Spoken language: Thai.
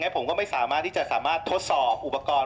ผมก็ไม่สามารถที่จะสามารถทดสอบอุปกรณ์